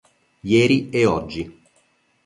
Ieri e oggi".